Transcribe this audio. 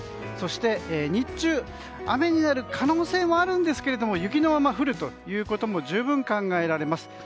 そして、日中雨になる可能性もあるんですけど雪のまま降るということも十分考えられます。